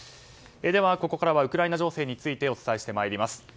ではここからはウクライナ情勢についてお伝えします。